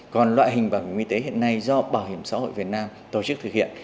còn loại hình bảo hiểm y tế hiện nay do bảo hiểm xã hội việt nam tổ chức thực hiện